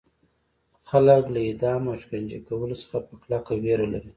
خلک له اعدام او شکنجه کولو څخه په کلکه ویره لري.